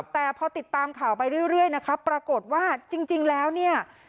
แต่พอติดตามข่าวไปเรื่อยนะครับปรากฏว่าจริงแล้วเนี่ย